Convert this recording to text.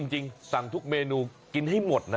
จริงสั่งทุกเมนูกินให้หมดนะ